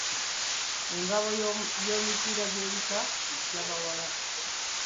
Engabo y'omu mipiira gy’ebika egya bawala.